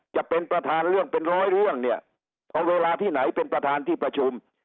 จะเป็นประธานเรื่องเป็นร้อยเรื่องเนี่ยพอเวลาที่ไหนเป็นประธานที่ประชุม